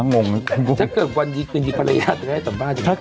นะงงถ้าเกิดวันดีกว่ามีภรรยาทเธอให้สัมภาษณ์